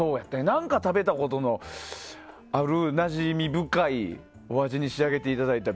何か食べたことのあるなじみ深いお味に仕上げていただいた、ＢとＣ